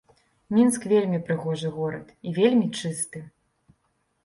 Мінск вельмі прыгожы горад і вельмі чысты.